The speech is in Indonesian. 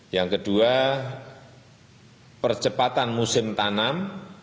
yang kedua percepatan musim tanam